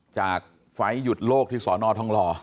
ไฟล์หยุดโลกที่สอนอทองหล่อ